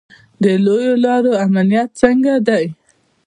د لویو لارو امنیت څنګه دی؟